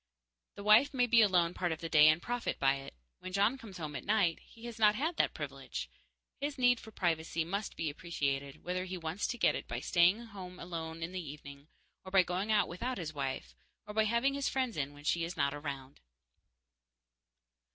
The wife may be alone part of the day and profit by it. When John comes home at night, he has not had that privilege. His need for privacy must be appreciated, whether he wants to get it by staying at home alone in the evening, or by going out without his wife, or by having his friends in when she is not around.